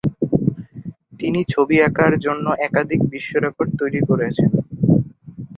তিনি ছবি আঁকার জন্য একাধিক বিশ্বরেকর্ড তৈরী করেছেন।